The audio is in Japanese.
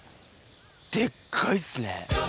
でっかいっすね。